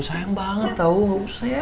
sayang banget tau gak usah ya